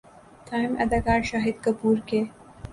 تاہم اداکار شاہد کپور کے